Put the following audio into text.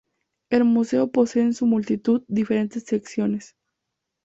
El museo posee en su multitud, diferentes secciones.